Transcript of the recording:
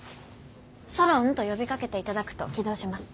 ソロンと呼びかけていただくと起動します。